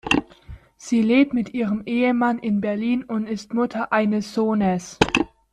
Sie lebt mit ihrem Ehemann in Berlin und ist Mutter eines Sohnes.